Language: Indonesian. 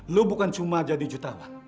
lo bukan cuma jadi jutawan